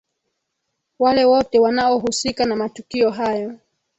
wale wote wanaohusika na matukio hayo